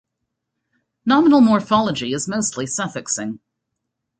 Nominal morphology is mostly suffixing.